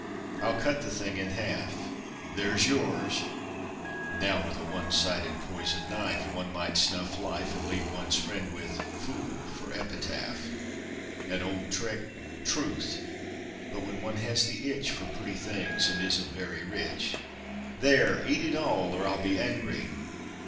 I'll cut the thing in half. There's yours! Now, with a one side poisoned knife One might snuff life And leave one's friend with "fool" for epitaph! An old trick? Truth! But when one has the itch For pretty things and isn't very rich. ... There, eat it all or I'll Be angry!